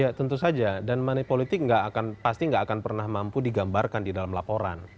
ya tentu saja dan money politik pasti nggak akan pernah mampu digambarkan di dalam laporan